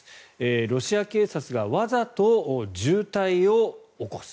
ロシア警察がわざと渋滞を起こす。